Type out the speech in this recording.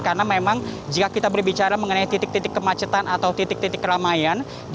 karena memang jika kita berbicara mengenai titik titik kemacetan atau titik titik keramaian